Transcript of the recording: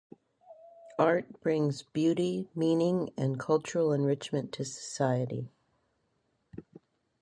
Art brings beauty, meaning, and cultural enrichment to society.